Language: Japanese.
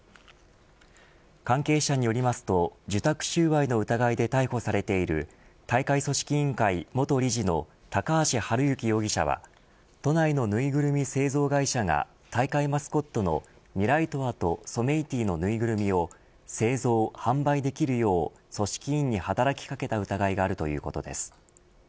関係者によりますと受託収賄の疑いで逮捕されている大会組織委員会元理事の高橋治之容疑者は都内のぬいぐるみ製造会社が大会マスコットのミライトワとソメイティのぬいぐるみを製造販売できるよう組織委員に働き掛けた疑いがあるということです。